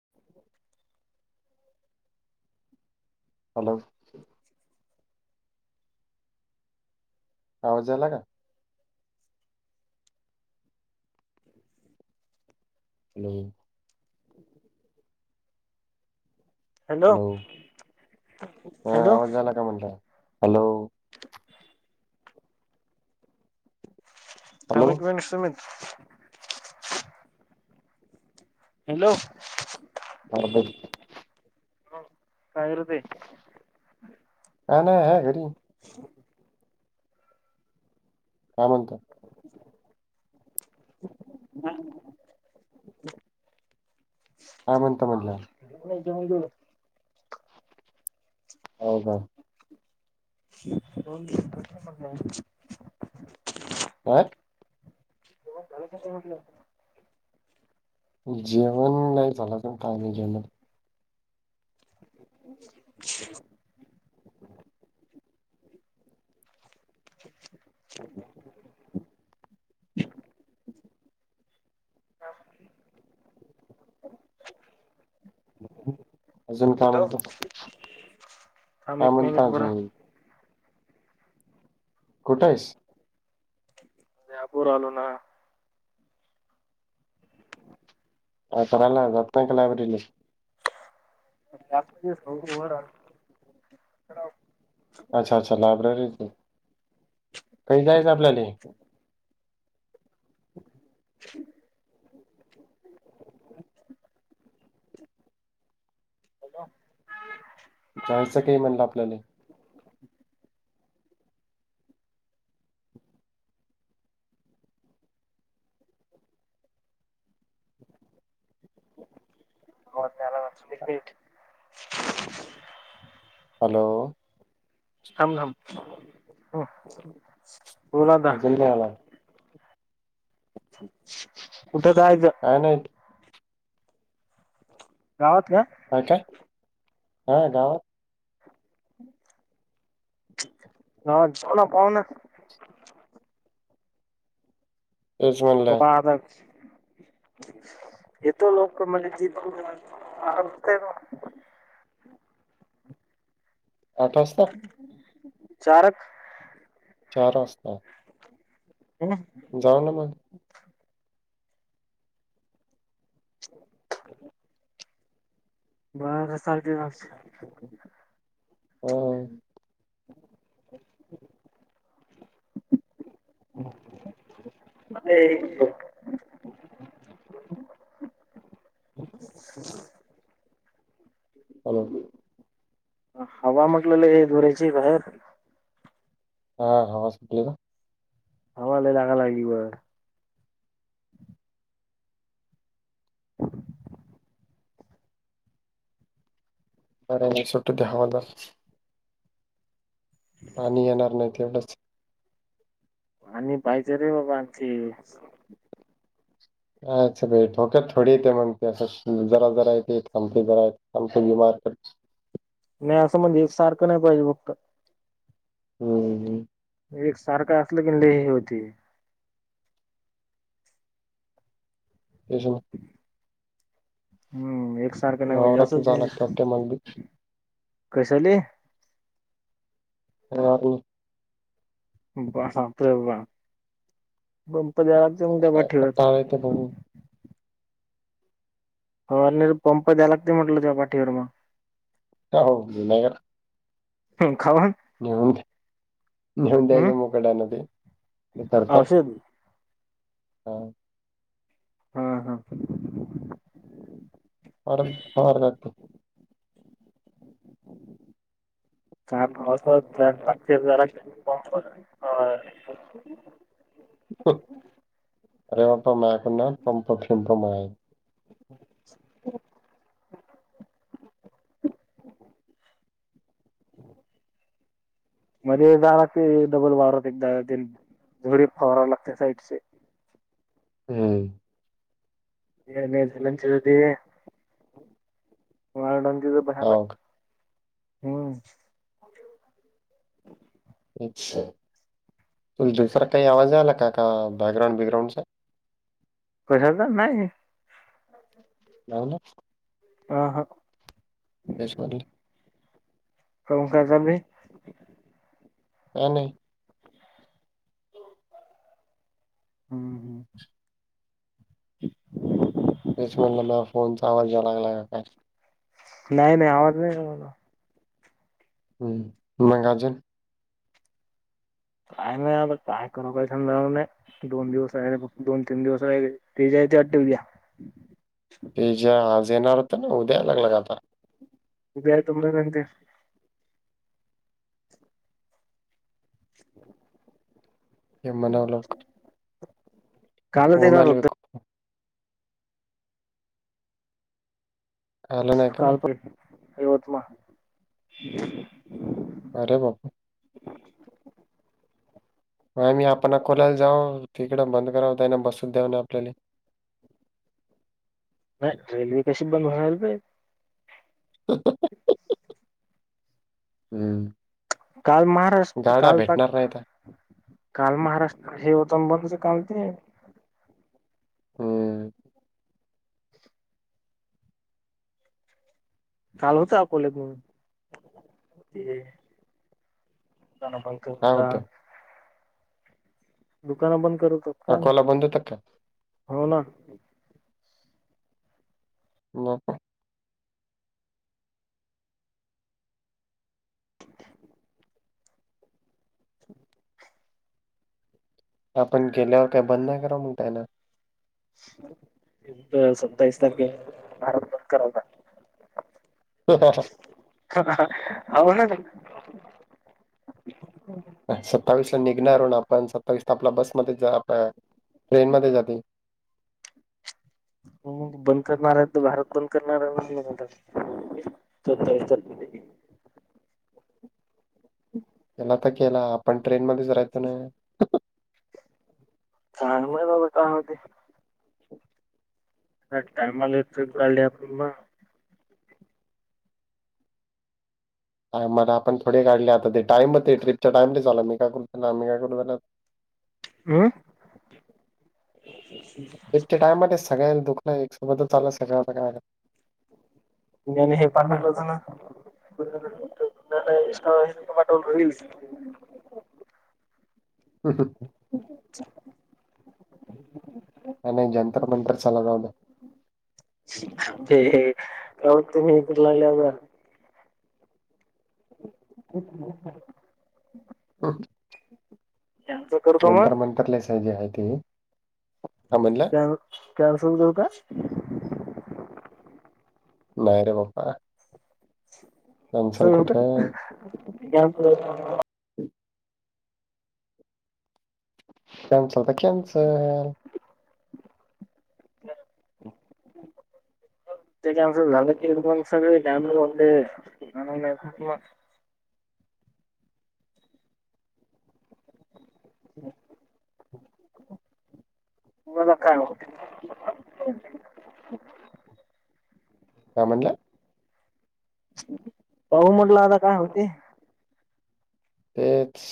[unintelligible] Hello आवाज याला का हॅलो हॅलो हा हॅलो आवाज आला का म्हटलं हॅलो हॅलो थाम एक मिनिट सुमित हॅलो आवर लगेच हो तयारच आहे हा हा हा घरी [inaudible] काय म्हणता [unintelligible] काय म्हणता म्हटलं मी जॉइन झालो हाव का दोन तीन प्रष्न पडल्यात होय जेवण झालं का नाही म्हटलं जेवण नाही झाल अजून काही नाही जेवणात [unintelligible] अजून काय म्हणतो थांब काय एक मिनट म्हणता बरं अजून कुठं आहेस लॅबवर आलो ना काय करायला जात नाही का लायब्ररीले [unintelligible] अच्छा अच्छा लॅब्रेरीत हाय काय जायचा आपल्याले [unintelligible] हॅलो जायचं काही म्हणलं आपल्याले हो त्याला वाटते पीठ हॅलो थांब -थांब बोल आता अजून नाही आला कुठ जायायच? काहि नाहीत. गावात का? हां का हां गावात. ह जाऊ ना पाऊ ना.. तेच म्हणलं होक आजच. येतो लोक तर म्हज जीत ना. [unintelligible] चारक. चार वाजता. हो न. जाऊ ना मग [unintelligible] वाघा सारखे घास. हो. [unintelligible] ते. [unintelligible] हॅलो. हवा म्हटलेली लई जोराची आहे म्हटलं बाहेर. हा हवा सुटली ना. हवाला जागा लायनीवर. बर नाही सुट्ट द्यावाला. पाणी येणार नाही तेवढंच आणि पाहिजे रे बाबा आणखी अच्छा भे ठोक थोडी येते म्हणते अस जरा जरा येते थांबते जरा य थांबते बीमार कर. नाही असं म्हणजे एक सारखं नाही पाहिजे फक्त. हम्म. एक सारखं असलं की लेही होती. तेच न. हम्म एकसारखं नाही पहिजे वावरात जावं असंच लागतं वाटते मला बी ते कशाले. हा. बा सांगतोय बा पंप द्याल. काय करता हे ते बघु. हो आणिर पंप द्या लागते म्हटलं तेव्हा पाठीवर मग. ह हो जुन घरात. हम्म खाऊन. नेऊन नेऊन हम्म द्यायचं मुकाट्याने न ते हे करता. औषध हा. हा हा. वरार जात. का पाऊस पडते ते हार. अरे बाप्पा माझ्याकडे ना पंप फिमप आहे [unintelligible] [inaudible] मध्ये जा लागते डबल वावरत एकदा झोरी फवारव लागते साईडचे. हम. [inaudible] मेल चल दे. ओरडतील भयानक, हो का हम्म. अच्छा! तुला दुसरा काही आवाज आला का का बॅकग्राउंड बिग्राउऊंडचा? कशाचा नाही. नाही ना. आ हा. यश पाटील. हम्म काय झालंय? काय नाही. हम्म हम्. तेच म्हणलं माय फोनचा आवाज यायला लागला की काय? नाही नाही, आवाज नाही आला मला. हम्म, मग अजून?. काय नाही, आता काय करू काही समजना झालंय. दोन दिवस आहे फक्त, दोन तीन दिवस आहे, तेच्या आहे ते देऊया उद्या. ते ज्या आज येणार होत ना, उद्या यायला लागला काय आता? उद्या येतो म्हणाले ते. [inaudible] हे म्हणावं लवकर. कालच हो, येणार मला होतं. बी. आलं नाही का काल मग पण, यवतमाळ. अरे बापरे! मग आम्ही आपण कोणाला जाव, तिकडं बंद कराव त्यांना बसत द्याऊ ना आपल्याला. नाही, रेल्वे कशी बंद राहणार. [inaudible] [inaudible] हम् काल महाराष्ट्र, कालचा. नाही आता काल महाराष्ट्र, हे तंबरच काल ते. होय. काल होतं आपुले म्हणून ते. त्यांना पण काय केलता? होतं दुकानं बंद करतो. अकोला बंद होता की काय? हो ना. मग? आपण गेल्यावर काही बंद नाही करा म्हणतय ना. सत्तावीस तारखेला भारत बंद करायला. हा हा हा हा हा, बोला ताई. सत्तावीसला निघणार आहो ना आपण सत्तावीसला आपला बसमध्ये आ ट्रेन मध्ये जाते. हम्म बंद करणार आहे तर भारत बंद करणार आहे म्हणल सत्तावीस तारखेला हम केला तर केला आपण ट्रेन मध्येच राहतो ना काय माहित बाबा काय होते. या टाइमाला इथुन काढली आपण‌ मग मला आपण थोडे काढले आता ते टाईम ते ट्रिपच्या टाइमालेच आले मी काय तर आम्ही काय करू अं [inaudible] ट्रिपच्या टाइमात सगळ्या दुःख न एक्सप्लोतच चालय सगळ आता काय तुम्हाल हे पाठवायच होत ना इंस्टा वर रीलस [inaudible] ह हं [unintelligible] आणि जंतर मंतर चालल गावल [unintelligible] ते हे करू लागल्यावर [unintelligible] [unintelligible] त्यांच जंतर मंतर लयच जे आहे ते आहे म्हणल कॅन्सल करू का? नाही रे बापा कुठं [unintelligible] कॅन्सल तर कॅन्सल ते कॅन्सल झाल की मग सगळे [unintelligible] मला काय माहीत काय म्हणल? पाहु म्हटल आता काय होते तेच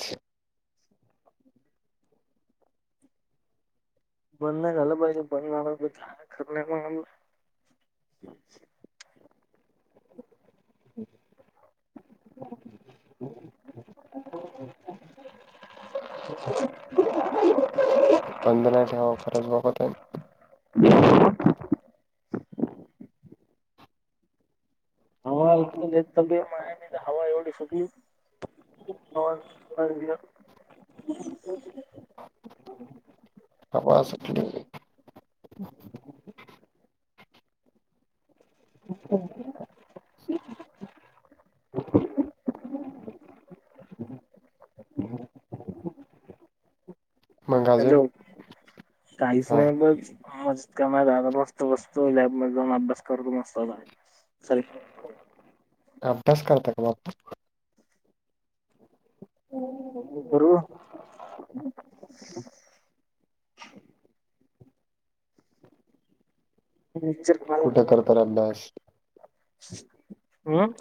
बंद नाही झााल पाहिजे बंद काय खर नाही बा म्हणलं [unintelligible] [unintelligible] बंद नाही ठेवा खरंच बाबा ते [unintelligible] हवा तब आहे हवा एवढी सुटली [unintelligible] आव असं थोड आहे [unintelligible] मग अजून हॅलो काहीच हा नाही बघ आज कमाणार मस्त बसतो लॅब मध्ये जाऊन अभ्यास करतो मस्त आता अभ्यास करत का मग [unintelligible] कुठं करता रे अभ्यास [unintelligible] हं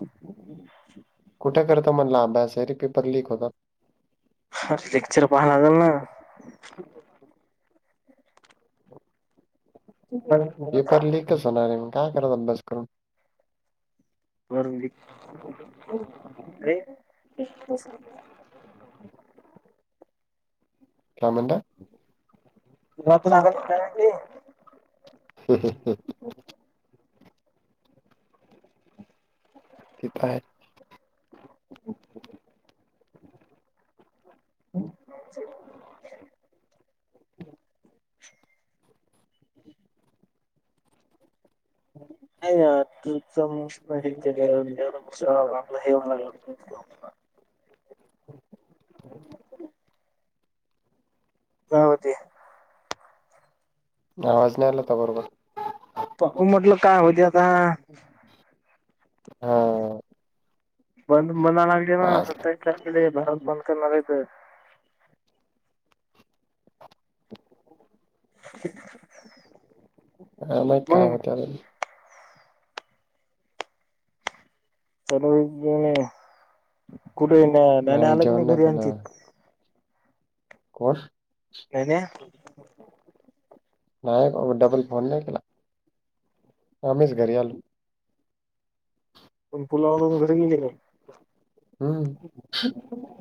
कुठे करत म्हणला अभ्यास अरे पेपर लीक होतात. लेक्चर पाहा लागल न [unintelligible] [inaudible] पेपर लीकच होणार आहे मग काय करत अभ्यास करून. [unintelligible] काय म्हनताय? [unintelligible] [unintelligible] ते पाय. [unintelligible] ् [unintelligible] नाही त आपला हे ऊन लाग [inaudible] [unintelligible] गावात ये. आवाज नाही आला होता बरोबर. पाहू म्हटलं काय होते आता. हा हो. बंद म्हणायला लगली ना पाच सत्तावीस तारखेला ये भरत बंद करणार हाय ते. [unintelligible] काय माहित काय होतंय. चलऊ कुठे न नाण्या आलग नाही घरी आणची. [unintelligible] कोण? धन्या. नाही डबल फोन नाही केला आमच घरी आलो. पण पुलावरून घरी गेली नाही. हम्म. ह् [unintelligible]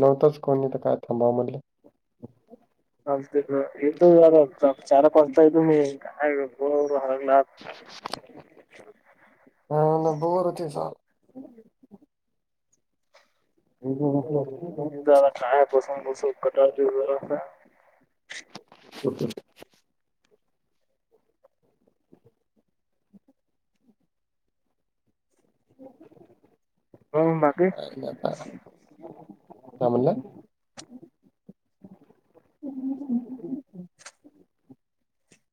नव्हतंच कोणी इथ काय थांबाव म्हणलं. अम य चारप असतायु मी काय [unintelligible] हो हरकनाथ [unintelligible] ह न बरतीसल [unintelligible] काय पसूनस कट ज [unintelligible] हो [inaudible] हो बाकीे? काय नाही आता.